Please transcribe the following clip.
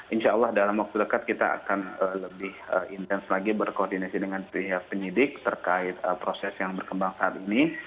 insya allah dalam waktu dekat kita akan lebih intens lagi berkoordinasi dengan pihak penyidik terkait proses yang berkembang saat ini